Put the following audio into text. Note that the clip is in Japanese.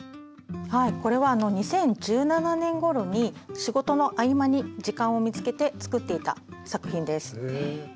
これは２０１７年ごろに仕事の合間に時間を見つけて作っていた作品です。